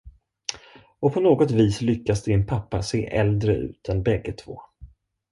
Och på något vis lyckas din pappa se äldre ut än bägge två.